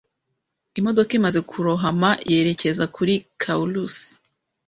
Imodoka imaze kurohama yerekeza kuri Caurus